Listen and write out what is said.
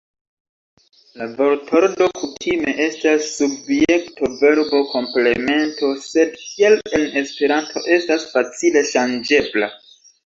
La vortordo kutime estas subjekto-verbo-komplemento, sed kiel en Esperanto estas facile ŝanĝebla.